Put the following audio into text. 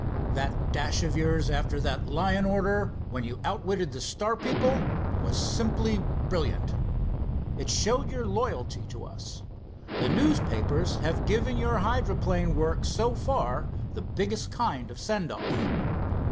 "That dash of yours after that Lyon order when you outwitted the Star people was simply brilliant. It showed your loyalty to us. The newspapers have given your hydroplane work so far the biggest kind of a send off."